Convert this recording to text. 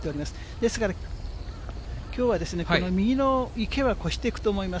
ですから、きょうはこの右の池は越していくと思います。